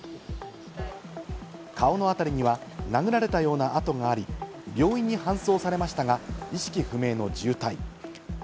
顔のあたりには殴られたような痕があり、病院に搬送されましたが、意識不明の重体。